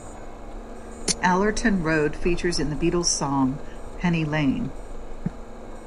Allerton Road features in the Beatles' song, "Penny Lane".